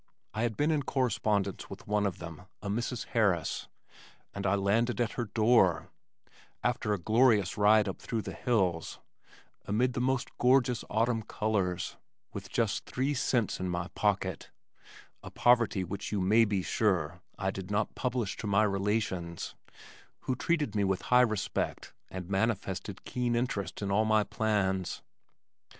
I had been in correspondence with one of them, a Mrs. Harris, and I landed at her door (after a glorious ride up through the hills, amid the most gorgeous autumn colors) with just three cents in my pocket a poverty which you may be sure I did not publish to my relations who treated me with high respect and manifested keen interest in all my plans.